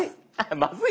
まずい。